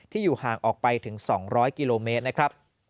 ที่อยู่หน้ากล่อถอยไปถึง๒๐๐กิโลเมตร